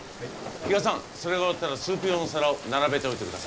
比嘉さんそれが終わったらスープ用の皿を並べておいてください。